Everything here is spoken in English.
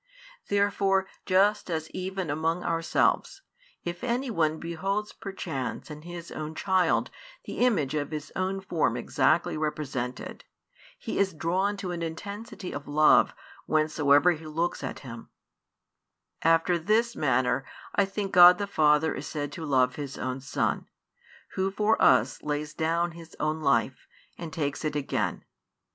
Therefore, just as even among ourselves, if any one beholds perchance in his own child the image of his own form exactly represented, he is drawn to an intensity of love whensoever he looks at him: after this manner I think God the Father is said to love His own Son, Who for us lays down His own life, and takes it again.